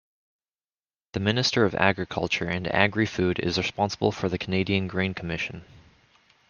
The Minister of Agriculture and Agri-food is responsible for the Canadian Grain Commission.